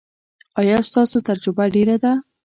ایا ستاسو تجربه ډیره ده؟